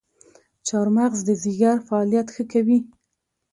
چارمغز د ځیګر فعالیت ښه کوي.